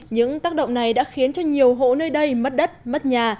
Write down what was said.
những tác động này đã khiến cho nhiều hộ nơi đây mất đất mất nhà